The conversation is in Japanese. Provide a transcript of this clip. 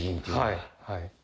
はい。